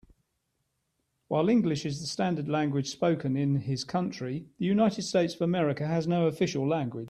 While English is the standard language spoken in his country, the United States of America has no official language.